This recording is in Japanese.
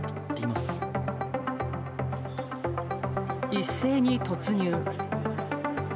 一斉に突入。